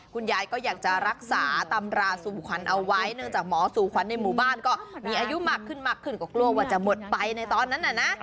คุณยายก็อยากจะรักษาตำราสู่ขวัญเอาไว้เนื่องจากหมอสู่ขวัญในหมู่บ้านก็มีอายุมากขึ้นมากขึ้นก็กลัวว่าจะหมดไปในตอนนั้นน่ะนะ